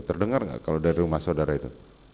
terdengar nggak kalau dari rumah saudara itu